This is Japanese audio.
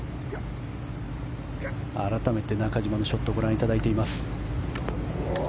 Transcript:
改めて中島のショットをご覧いただいています。